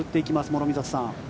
諸見里さん。